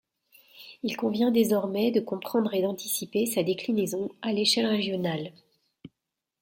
Il convient désormais de comprendre et d’anticiper sa déclinaison à l’échelle régionale.